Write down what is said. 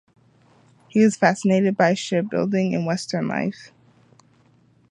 He was fascinated by shipbuilding and Western life.